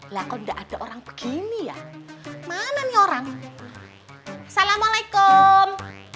laku nggak ada orang begini ya mana nih orang assalamualaikum